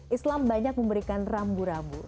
islam banyak memberikan rambu rambu